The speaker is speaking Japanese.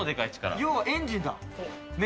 要はエンジンだ。